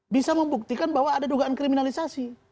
bisa membuktikan bahwa ada dugaan kriminalisasi